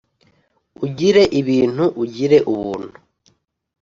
Ugire ibintu ugire ubuntu